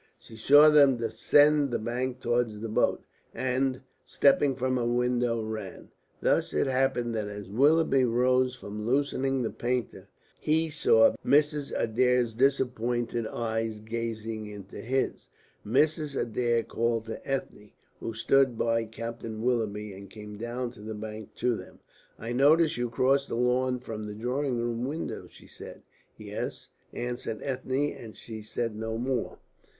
She saw them descend the bank towards the boat, and, stepping from her window, ran. Thus it happened that as Willoughby rose from loosening the painter, he saw Mrs. Adair's disappointed eyes gazing into his. Mrs. Adair called to Ethne, who stood by Captain Willoughby, and came down the bank to them. "I noticed you cross the lawn from the drawing room window," she said. "Yes?" answered Ethne, and she said no more.